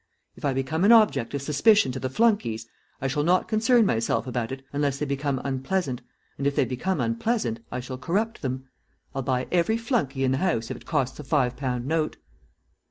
If I become an object of suspicion to the flunkies, I shall not concern myself about it unless they become unpleasant, and if they become unpleasant I shall corrupt them. I'll buy every flunkey in the house, if it costs a five pound note."